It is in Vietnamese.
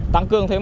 tăng cương thêm